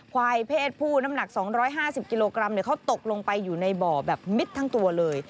ควายเพศผู้น้ำหนัก๒๕๐กิโลกรัมเขาตกลงไปอยู่ในบ่อแบบมิดทั้งตัวเลย